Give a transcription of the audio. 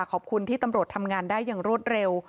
ขอบคุณที่ตำรวจทำงานได้อย่างรวดเร็ว